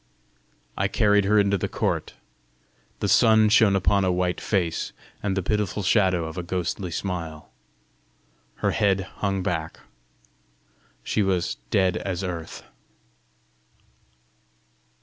I carried her into the court: the sun shone upon a white face, and the pitiful shadow of a ghostly smile. Her head hung back. She was "dead as earth."